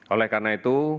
oleh karena itu